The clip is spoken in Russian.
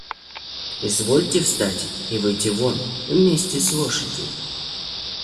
Извольте встать и выйти вон вместе с лошадью.